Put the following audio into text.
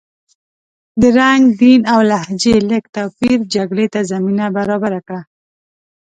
د رنګ، دین او لهجې لږ توپیر جګړې ته زمینه برابره کړه.